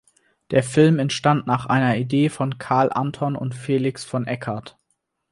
Der Film entstand nach einer Idee von Karl Anton und Felix von Eckardt.